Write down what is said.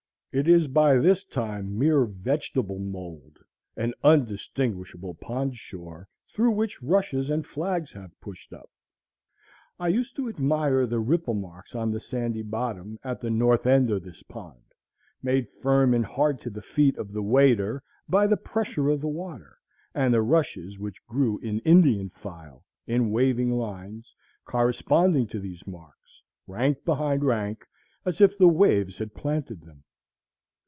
It is by this time mere vegetable mould and undistinguishable pond shore, through which rushes and flags have pushed up. I used to admire the ripple marks on the sandy bottom, at the north end of this pond, made firm and hard to the feet of the wader by the pressure of the water, and the rushes which grew in Indian file, in waving lines, corresponding to these marks, rank behind rank, as if the waves had planted them.